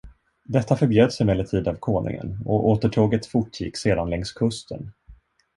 Detta förbjöds emellertid av konungen, och återtåget fortgick sedan längs kusten.